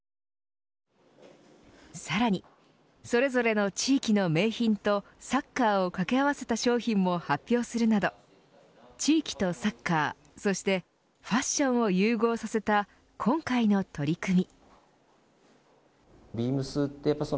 さらに、それぞれの地域の銘品とサッカーを掛け合わせた商品も発表するなど地域とサッカーそしてファッションを融合させた今回の取り組み。